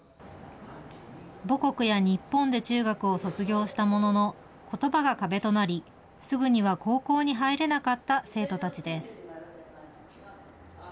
母国や日本で中学を卒業したものの、ことばが壁となり、すぐには高校に入れなかった生徒たちです。